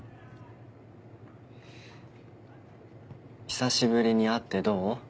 久しぶりに会ってどう？